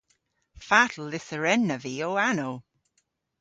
Fatel lytherennav vy ow anow?